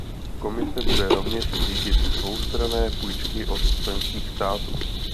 Komise bude rovněž řídit dvoustranné půjčky od členských států.